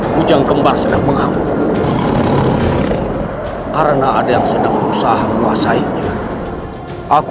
hujan kembar sedang menghapus karena ada yang sedang berusaha menguasainya aku